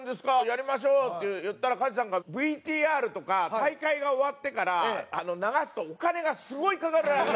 やりましょう」って言ったら加地さんがＶＴＲとか大会が終わってから流すとお金がすごいかかるらしい。